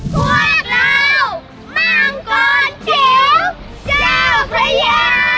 สู้ไม่ช้อยห้า